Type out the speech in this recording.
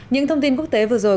những thông tin quốc tế vừa rồi